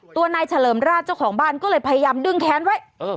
ตัวนายเฉลิมราชเจ้าของบ้านก็เลยพยายามดึงแค้นไว้